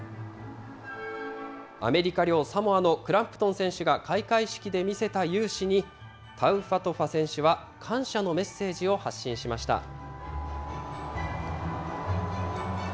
アメリカ領サモアのクランプトン選手が開会式で見せた雄姿に、タウファトファ選手は感謝のメッセージを発信しました。